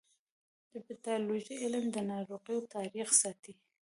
د پیتالوژي علم د ناروغیو تاریخ ساتي.